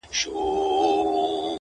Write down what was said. دا دی د مرګ’ و دایمي محبس ته ودرېدم ‘